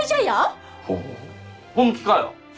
本気かよ？